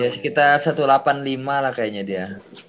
ya sekitar satu ratus delapan puluh lima lah kayaknya dia